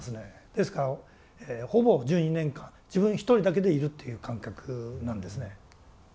ですからほぼ１２年間自分一人だけでいるという感覚なんですね。